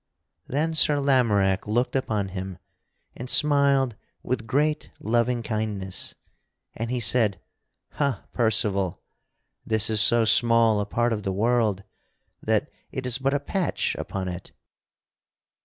Then Sir Lamorack looked upon him and smiled with great loving kindness; and he said: "Ha, Percival! This is so small a part of the world that it is but a patch upon it."